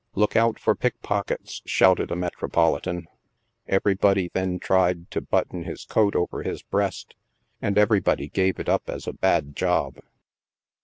"Look out for pickpockets," shouted a Metropolitan. Every body then tried to button his coat over his breast, and every body gave it up as a bad job.